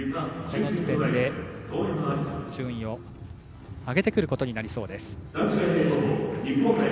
この時点で、順位を上げてくることになりそうです。